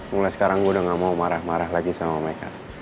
mulai sekarang gue udah gak mau marah marah lagi sama mereka